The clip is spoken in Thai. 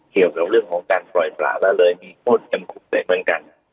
เกี่ยวกับเรื่องของการปล่อยปลาแล้วเลยมีโทษกันกุศิษย์เหมือนกัน